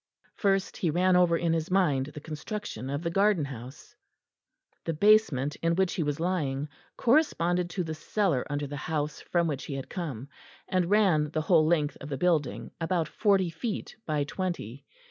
First he ran over in his mind the construction of the garden house. The basement in which he was lying corresponded to the cellar under the house from which he had come, and ran the whole length of the building, about forty feet by twenty.